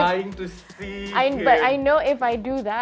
anda menangis untuk melihatnya